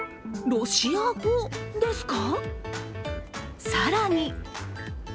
ロシア語ですか？